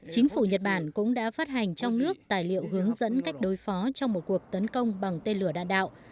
chính phủ nhật bản cũng đã phát hành trong nước tài liệu hướng dẫn cách đối phó trong một cuộc tấn công bằng tên lửa đạn đạo